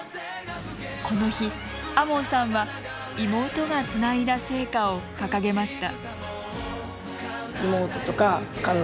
この日、和門さんは妹がつないだ聖火を掲げました。